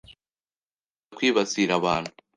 ikunda kwibasira abantu